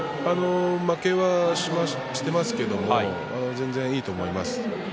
負けはしていますけど全然いいと思います。